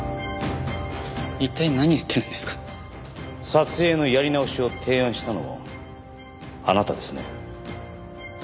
撮影のやり直しを提案したのもあなたですね。